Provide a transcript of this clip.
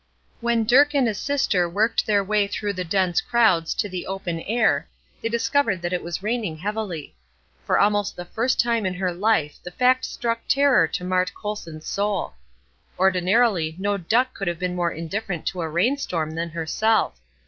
When Dirk and his sister worked their way through the dense crowds to the open air they discovered that it was raining heavily. For almost the first time in her life the fact struck terror to Mart Colson's soul! Ordinarily no duck could have been more indifferent to a rain storm than herself.